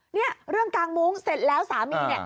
เนี่ยเรื่องกางมุ้งเสร็จแล้วสามีเนี่ย